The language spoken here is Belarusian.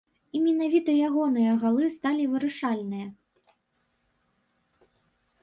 І менавіта ягоныя галы сталі вырашальныя.